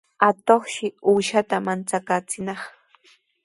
Atuqshi uushata manchakaachinaq.